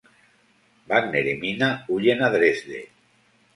Wagner y Minna huyen a Dresde.